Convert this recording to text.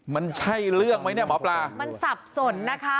มันใช่เรื่องไหมเนี่ยหมอปลามันสับสนนะคะ